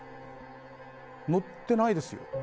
乗ってないですよ。